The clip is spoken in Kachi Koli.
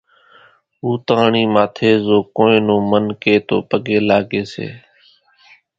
ھوتاۿڻي ماٿي زو ڪونئين نون من ڪي تو پڳي لاڳي سي